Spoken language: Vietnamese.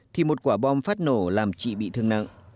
thì một quả bom phát nổ làm chị bị thương nặng